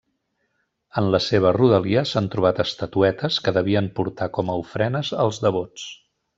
En la seva rodalia s'han trobat estatuetes que devien portar com a ofrenes els devots.